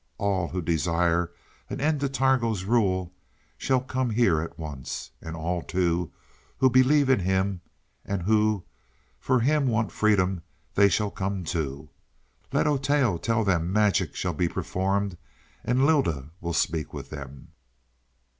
All who desire an end to Targo's rule, shall come here at once. And all too, who in him believe, and who for him want freedom, they shall come too. Let Oteo tell them magic shall be performed and Lylda will speak with them.